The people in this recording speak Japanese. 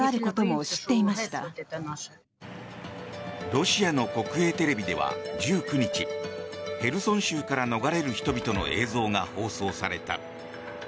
ロシアの国営テレビでは１９日ヘルソン州から逃れる人々の映像が放送された。